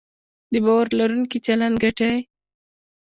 د باور لرونکي چلند ګټې